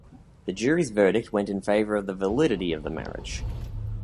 The jury's verdict went in favour of the validity of the marriage.